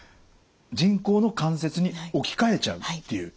人工の関節に置き換えちゃうっていう。